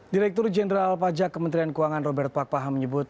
direktur jenderal pajak kementerian keuangan robert pakpaha menyebut